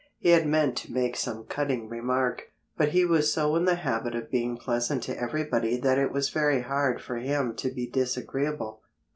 He had meant to make some cutting remark. But he was so in the habit of being pleasant to everybody that it was very hard for him to be disagreeable.